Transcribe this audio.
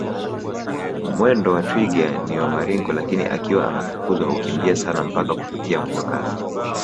Mwendo wa twiga ni wa maringo lakini akiwa anafukuzwa hukimbia sana mpaka kufikia mwendokasi